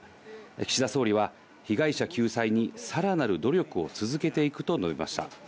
岸田総理は、被害者救済にさらなる努力を続けていくと述べました。